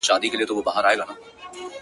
د هغه ګاډي نه په هغه فنکار ډزې کېدې